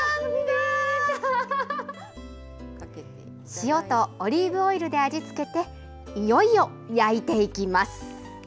塩とオリーブオイルで味付けていよいよ焼いていきます。